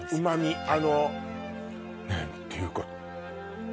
あのねっていうか